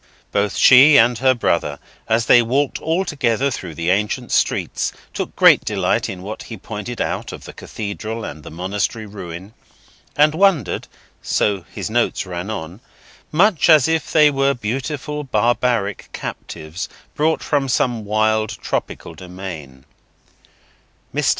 Both she and her brother, as they walked all together through the ancient streets, took great delight in what he pointed out of the Cathedral and the Monastery ruin, and wondered—so his notes ran on—much as if they were beautiful barbaric captives brought from some wild tropical dominion. Mr.